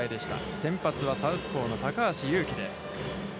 先発はサウスポーの高橋優貴です。